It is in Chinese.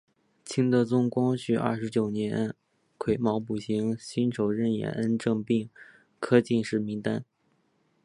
清德宗光绪二十九年癸卯补行辛丑壬寅恩正并科进士名单。